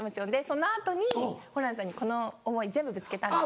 その後にホランさんにこの思い全部ぶつけたんです。